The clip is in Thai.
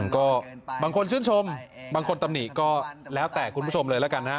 ก็บางคนชื่นชมบางคนตำหนิก็แล้วแต่คุณผู้ชมเลยแล้วกันนะฮะ